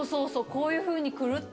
こういうふうに奇麗に。